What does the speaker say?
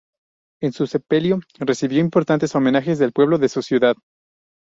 En su sepelio recibió importantes homenajes del pueblo de su ciudad.